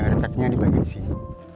keretaknya di bagian sini